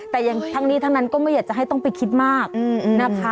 แต่ยังทั้งนี้ทั้งนั้นก็ไม่อยากจะให้ต้องไปคิดมากนะคะ